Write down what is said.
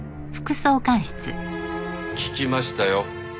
聞きましたよ。